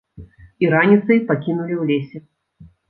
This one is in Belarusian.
І раніцай пакінулі ў лесе.